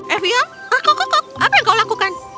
evium kok kok kok apa yang kau lakukan